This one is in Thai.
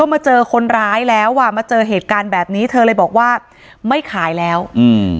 มาเจอคนร้ายแล้วอ่ะมาเจอเหตุการณ์แบบนี้เธอเลยบอกว่าไม่ขายแล้วอืม